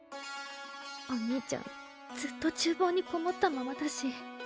お兄ちゃんずっとちゅうぼうにこもったままだし。